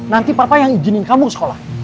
nanti papa yang izinin kamu ke sekolah